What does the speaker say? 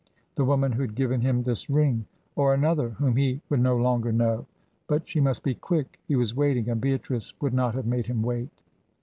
The woman who had given him this ring? Or another, whom he would no longer know? But she must be quick. He was waiting and Beatrice would not have made him wait.